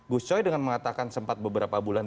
gus coy dengan mengatakan sempat beberapa bulan